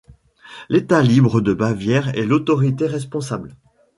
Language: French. L'État libre de Bavière est l'autorité responsable.